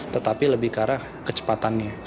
tetapi lebih ke arah kecepatannya